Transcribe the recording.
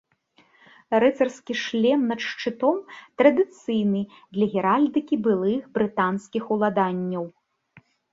Рыцарскі шлем над шчытом традыцыйны для геральдыкі былых брытанскіх уладанняў.